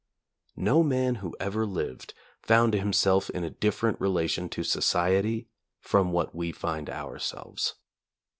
No man who ever lived found himself in a different relation to society from what we find ourselves.